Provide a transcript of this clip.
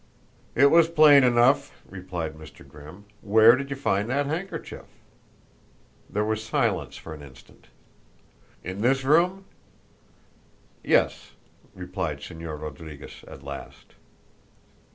"It was plain enough," replied Mr. Grimm. "Where did you find that handkerchief?" There was silence for an instant. "In this room?" "Yes," replied Señor Rodriguez at last.